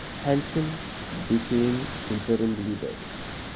Hanson became interim leader.